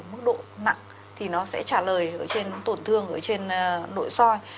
mức độ nặng thì nó sẽ trả lời ở trên tổn thương ở trên nội soi